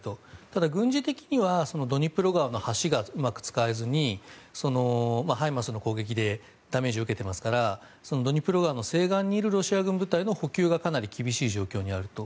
ただ、軍事的にはドニプロ川の橋がうまく使えずにハイマースの攻撃でダメージを受けてますからドニプロ川の西岸にいるロシア軍部隊の補給がかなり厳しい状況にあると。